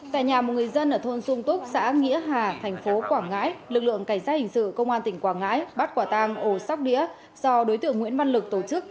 tại nhà một người dân ở thôn sung túc xã nghĩa hà thành phố quảng ngãi lực lượng cảnh sát hình sự công an tỉnh quảng ngãi bắt quả tang ổ sóc đĩa do đối tượng nguyễn văn lực tổ chức